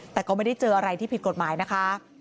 แต่ก็ไม่ได้เจออะไรที่ผิดกฎหมายนะคะ